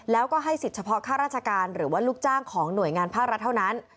แล้วก็ให้สิทธิ์เฉพาะค่าราชการหรือว่าลูกจ้างของหน่วยงานภาครัฐเท่านั้น